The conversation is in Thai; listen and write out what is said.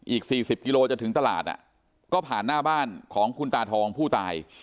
อีกสี่สิบกิโลเมตรจะถึงตลาดน่ะก็ผ่านหน้าบ้านของคุณตาทองผู้ตาย